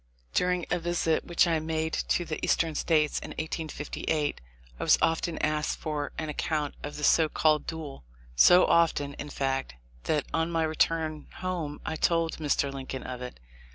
During a visit which I made to the Eastern States in 1858, I was often asked for an account of the so called duel; so often, in fact, that on my return home I told Mr. Lincoln of it.